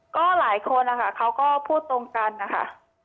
ก็หลายคนนะคะเขาก็พูดตรงกันนะคะ